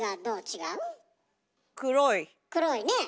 黒いねえ。